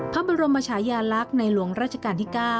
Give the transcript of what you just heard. พระบรมชายาลักษณ์ในหลวงราชการที่๙